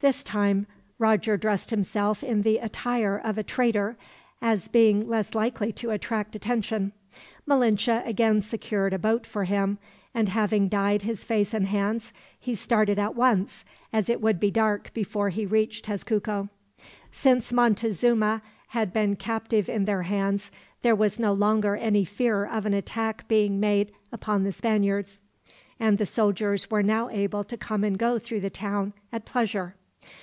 This time Roger dressed himself in the attire of a trader, as being less likely to attract attention. Malinche again secured a boat for him, and having dyed his face and hands, he started at once, as it would be dark before he reached Tezcuco. Since Montezuma had been captive in their hands, there was no longer any fear of an attack being made upon the Spaniards; and the soldiers were now able to come and go through the town, at pleasure.